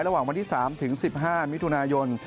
ระหว่างวันที่๓ถึง๑๕มิถุนายน